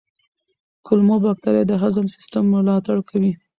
کولمو بکتریاوې د هضم سیستم ملاتړ کوي.